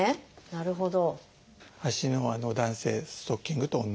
なるほど。